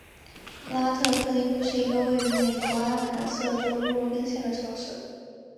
拉特克利夫是一个位于美国阿肯色州洛根县的城市。